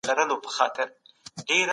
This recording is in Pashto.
په ادارو کي باید د مراجعینو احترام وشي.